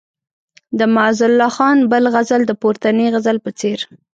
د معزالله خان بل غزل د پورتني غزل په څېر.